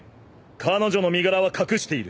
彼女の身柄は隠している。